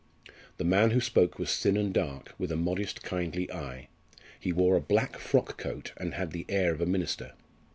The man who spoke was thin and dark, with a modest kindly eye. He wore a black frock coat, and had the air of a minister.